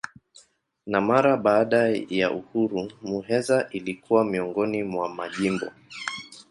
Na mara baada ya uhuru Muheza ilikuwa miongoni mwa majimbo.